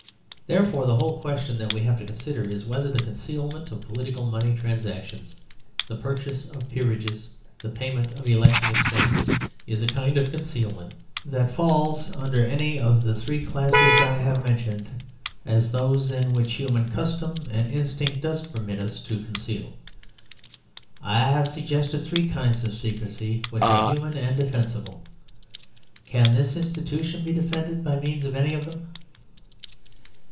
Therefore, the whole question that we have to consider is whether the concealment of political money transactions, the purchase of peerages, the payment of election expenses, is a kind of concealment that falls under any of the three classes I have mentioned as those in which human custom and instinct does permit us to conceal. I have suggested three kinds of secrecy which are human and defensible. Can this institution be defended by means of any of them?